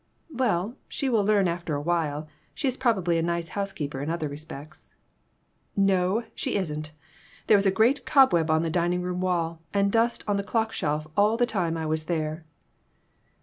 "Well, she will learn after a while. She is probably a nice housekeeper in other respects." "No, she isn't. There was a great cobweb on the dining room wall and dust on the clock shelf all the time I was there."